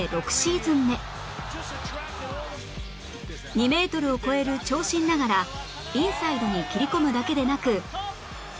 ２メートルを超える長身ながらインサイドに切り込むだけでなく